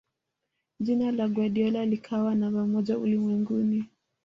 jina la guardiola likawa namba moja ulimwenguni